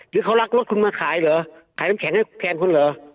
หรือเขารักรถคุณมาขายเหรอขายน้ำแข็งให้แทนคุณเหรอ